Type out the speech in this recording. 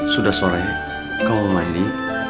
sudah sore kamu mandi